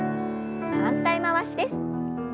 反対回しです。